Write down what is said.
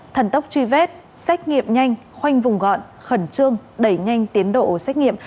thần tốc truy vết xét nghiệm nhanh khoanh vùng gọn khẩn trương đẩy nhanh tiến độ xét nghiệm